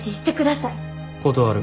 断る。